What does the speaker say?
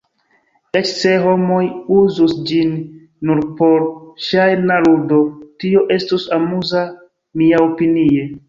Eĉ se homoj uzus ĝin nur por ŝajna ludo, tio estus amuza, miaopinie.